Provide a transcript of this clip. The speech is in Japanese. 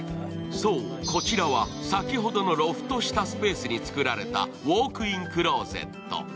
そう、こちらは先ほどのロフト下スペースに作られたウォークインクローゼット。